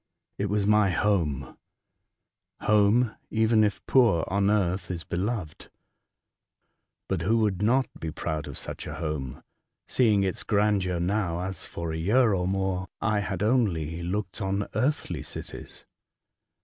It was my home ! Home, even if poor, on earth is beloved ; but who would not be proud of such a home, seeing its grandeur now, as, for a year or more, I had only looked on earthly cities